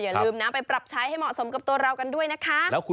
อย่าลืมนะไปปรับใช้ให้เหมาะสมกับตัวเรากันด้วยนะคะ